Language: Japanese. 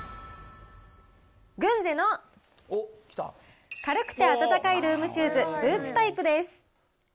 グンゼの軽くて暖かいルームシューズブーツタイプです。